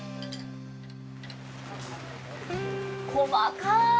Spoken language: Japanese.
細かい。